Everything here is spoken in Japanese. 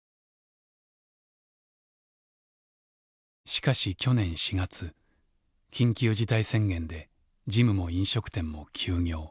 しかし去年４月緊急事態宣言でジムも飲食店も休業。